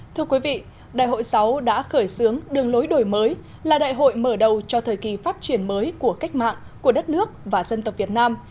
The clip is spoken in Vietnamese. thưa quý vị đại hội sáu đã khởi xướng đường lối đổi mới là đại hội mở đầu cho thời kỳ phát triển mới của cách mạng của đất nước và dân tộc việt nam